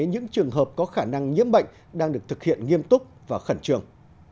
những trường hợp có khả năng nhiễm bệnh đang được thực hiện nghiêm túc và khẩn trường